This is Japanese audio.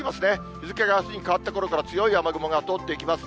日付があすに変わったころから、強い雨雲が通っていきます。